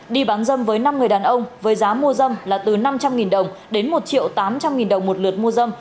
đi bán dâm với năm người đàn ông với giá mua dâm là từ năm trăm linh đồng đến một triệu tám trăm linh nghìn đồng một lượt mua dâm